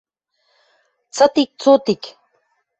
Цытик-цотик